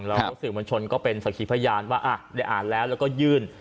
แล้วก็สื่อบัญชนก็เป็นศักดิ์พยานว่าอ่ะได้อ่านแล้วแล้วก็ยื่น